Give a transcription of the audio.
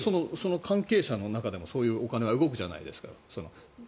関係者の中でもそういうお金は動くじゃないですか。